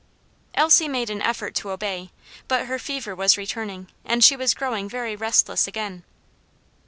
Elsie made an effort to obey, but her fever was returning, and she was growing very restless again.